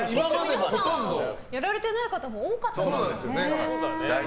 やられてない方も多かったですよね。